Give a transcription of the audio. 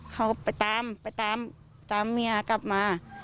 เขาไปตามมียากลับมา